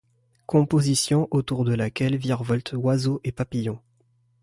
Composition autour de laquelle virevoltent oiseaux et papillons.